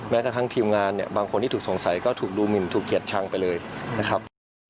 กระทั่งทีมงานเนี่ยบางคนที่ถูกสงสัยก็ถูกดูหมินถูกเกลียดชังไปเลยนะครับ